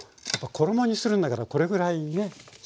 衣にするんだからこれぐらいねっしないと。